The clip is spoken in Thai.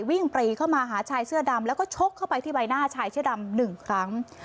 ปรีเข้ามาหาชายเสื้อดำแล้วก็ชกเข้าไปที่ใบหน้าชายเสื้อดำหนึ่งครั้ง